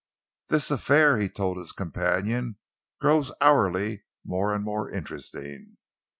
"This affair," he told his companion, "grows hourly more and more interesting.